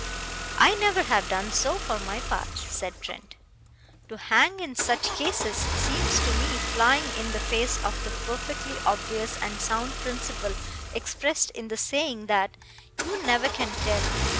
"I never have done so, for my part," said Trent. "To hang in such cases seems to me flying in the face of the perfectly obvious and sound principle expressed in the saying that 'you never can tell.'